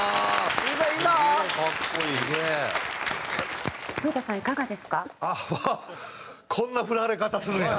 こんな振られ方するんや。